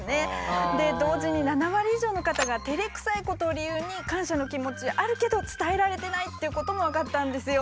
同時に７割以上の方がてれくさいことを理由に感謝の気持ちあるけど伝えられてないっていうことも分かったんですよ。